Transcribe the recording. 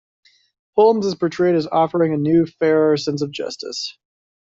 Holmes is portrayed as offering a new, fairer sense of justice.